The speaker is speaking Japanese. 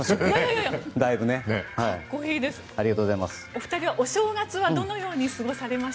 ありがとうございます。